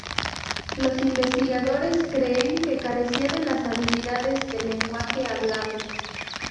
Los investigadores creen que carecía de las habilidades del lenguaje hablado.